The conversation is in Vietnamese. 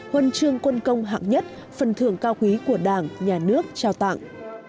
huân chương quân công hạng nhất phần thưởng cao quý của đảng nhà nước trao tặng